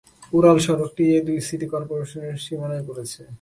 উড়ালসড়কটি এ দুই সিটি করপোরেশনের সীমানায় পড়েছে।